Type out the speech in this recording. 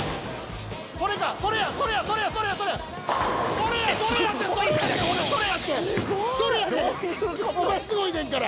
お前すごいねんから！